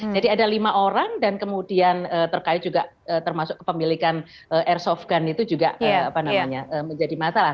jadi ada lima orang dan kemudian terkait juga termasuk kepemilikan airsoft gun itu juga menjadi masalah